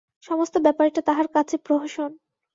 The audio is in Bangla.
সমস্ত ব্যাপারটা তাহার কাছে প্রহসন।